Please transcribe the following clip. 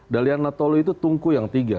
dalihan netolu itu tunku yang tiga